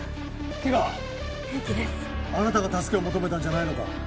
平気ですあなたが助けを求めたんじゃないのか？